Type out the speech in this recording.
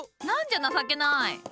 何じゃ情けない。